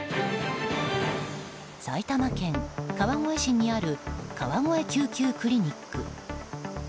埼玉県川越市にある川越救急クリニック。